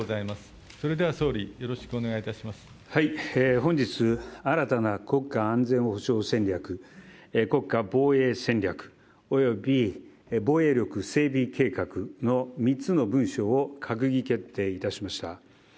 本日、新たな国家安全保障戦略、国家防衛戦略および防衛力整備計画の３つの文書を閣議決定いたしました。